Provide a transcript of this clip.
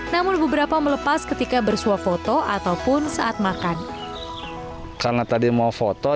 namun beberapa melepas ketika bersuah foto ataupun saat menangis